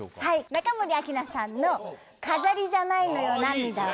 中森明菜さんの「飾りじゃないのよ涙は」